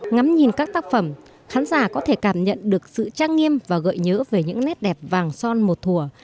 ngắm nhìn các tác phẩm khán giả có thể cảm nhận được sự trang nghiêm và gợi nhớ về những nét đẹp vàng son một thùa